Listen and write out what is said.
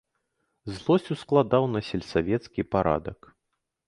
Злосць ускладаў на сельсавецкі парадак.